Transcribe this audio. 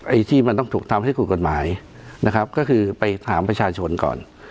ไอ้ที่มันต้องถูกทำให้ถูกกฎหมายนะครับก็คือไปถามประชาชนก่อน